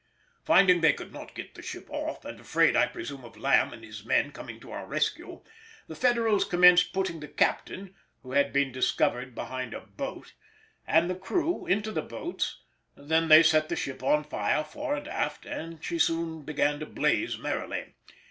Finding they could not get the ship off, and afraid, I presume, of Lamb and his men coming to our rescue, the Federals commenced putting the captain (who had been discovered behind a boat!) and the crew into the boats; they then set the ship on fire fore and aft, and she soon began to blaze merrily.